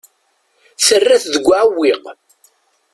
Terra-t deg uɛewwiq.